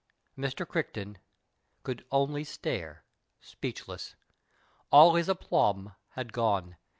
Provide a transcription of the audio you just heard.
Mr. Crichton could only stare, speechless. All his aplomb had gone.